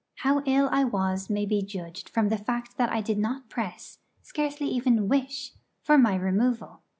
How ill I was may be judged from the fact that I did not press, scarcely even wish, for my removal.